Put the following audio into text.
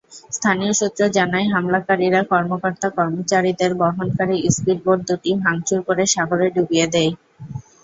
স্থানীয় সূত্র জানায়, হামলাকারীরা কর্মকর্তা-কর্মচারীদের বহনকারী স্পিডবোট দুটি ভাঙচুর করে সাগরে ডুবিয়ে দেন।